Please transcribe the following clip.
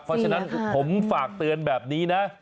เพราะฉะนั้นผมฝากเตือนแบบนี้นะ